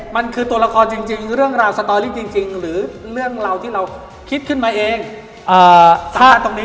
มันคือตัวละครจริงเรื่องราวสตอรี่จริงหรือเรื่องราวที่เราคิดขึ้นมาเองถ้าตรงนี้